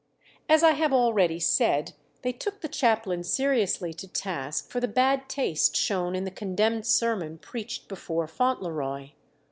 As I have already said, they took the chaplain seriously to task for the bad taste shown in the condemned sermon preached before Fauntleroy.